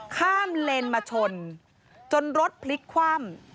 ข้ามเลนมาชนจนรถพลิกคว่ำ